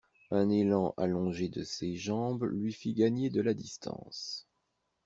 Un élan allongé de ses jambes lui fit gagner de la distance.